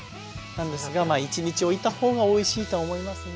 なんですが１日おいた方がおいしいとは思いますね。